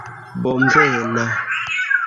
bonvena